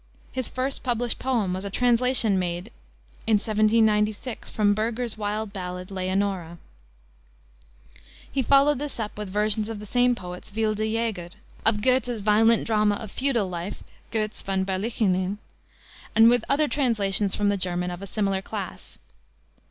His first published poem was a translation made in 1796 from Burger's wild ballad, Leonora. He followed this up with versions of the same poet's Wilde Jäger, of Goethe's violent drama of feudal life, Götz Van Berlichingen, and with other translations from the German, of a similar class.